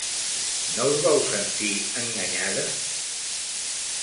No us vau sentir enganyada?